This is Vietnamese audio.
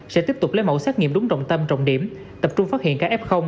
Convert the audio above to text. sẽ tiếp tục lấy mẫu xét nghiệm đúng trọng tâm trọng điểm tập trung phát hiện ca f